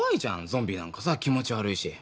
ゾンビなんかさ気持ち悪いし。